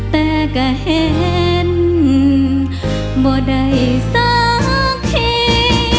แต่ก็เห็นบ่ได้สักที